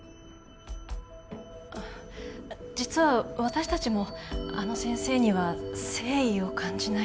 実は私たちもあの先生には誠意を感じないというか。